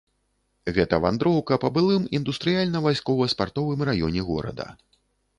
Гэта вандроўка па былым індустрыяльна-вайскова-спартовым раёне горада.